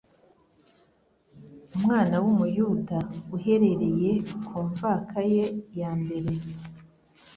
Umwana w'Umuyuda, uhereye ku mvaka ye ya mbere